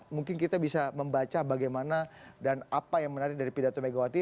mungkin kita bisa membaca bagaimana dan apa yang menarik dari pidato megawati